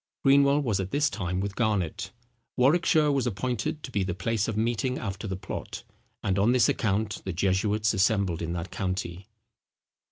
Greenwell was at this time with Garnet. Warwickshire was appointed to be the place of meeting after the plot; and on this account the jesuits assembled in that county.